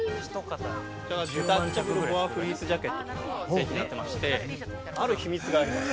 デタッチャブルボアフリースジャケットという製品になってまして、ある秘密があります。